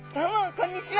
こんにちは。